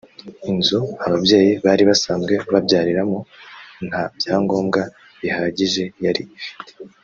Inzu ababyeyi bari basazwe babyariramo nta byagombwa bihagije yari ifite